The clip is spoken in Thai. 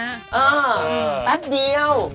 แป๊บเดียว